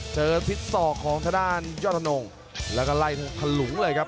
ทิศศอกของทางด้านยอดธนงแล้วก็ไล่ทะลุงเลยครับ